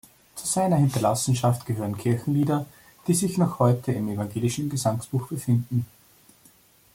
Zu seiner Hinterlassenschaft gehören Kirchenlieder, die sich noch heute im evangelischen Gesangbuch befinden.